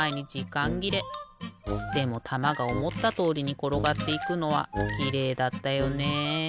でもたまがおもったとおりにころがっていくのはきれいだったよね。